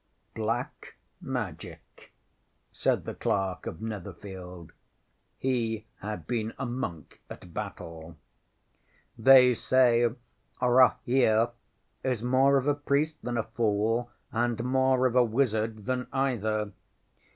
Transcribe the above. ŌĆØ ŌĆśŌĆ£Black Magic, ŌĆØ said the Clerk of Netherfield (he had been a monk at Battle). ŌĆ£They say Rahere is more of a priest than a fool and more of a wizard than either.